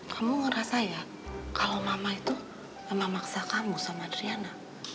kamu ngerasa ya kalau mama itu memaksa kamu sama driana